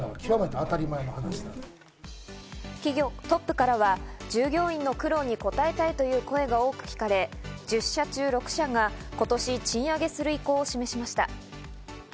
トップからは従業員の苦労にこたえたいという声が多く聞かれ、１０社中６社が今年、賃上げする意向を示しました。